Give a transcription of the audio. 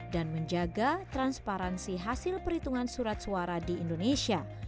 dan menjaga transparansi hasil perhitungan surat suara di indonesia